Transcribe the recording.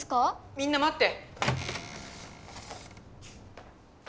みんなまって。